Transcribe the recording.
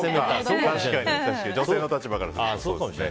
女性の立場からするとね。